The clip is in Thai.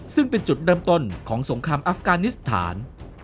ซึ่งเป็นจุดเริ่มต้นของสงครามอัฟกานิสถาน